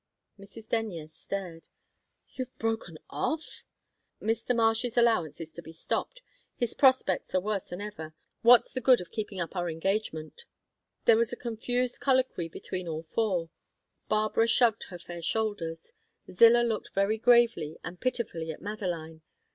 Mrs. Denyer stared. "You've broken off?" "Mr. Marsh's allowance is to be stopped. His prospects are worse than ever. What's the good of keeping up our engagement?" There was a confused colloquy between all four. Barbara shrugged her fair shoulders; Zillah looked very gravely and pitifully at Madeline.